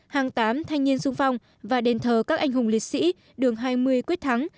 hang tám thanh nhiên xuân phong và đền thờ các anh hùng liệt sĩ đường hai mươi quyết thắng